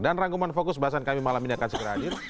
dan rangkuman fokus bahasan kami malam ini akan segera hadir